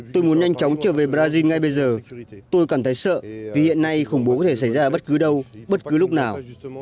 tôi muốn nhanh chóng trở về brazil ngay bây giờ tôi cảm thấy sợ vì hiện nay khủng bố có thể xảy ra ở bất cứ đâu bất cứ lúc nào